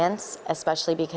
pengalaman yang berbeda